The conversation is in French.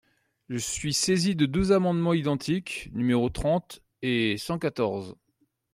Je suis saisi de deux amendements identiques, numéros trente et cent quatorze.